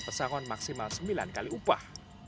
pesangon maksimal sembilan kali upah